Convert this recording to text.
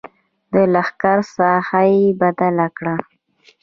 د لښکر ساحه یې بدله کړه.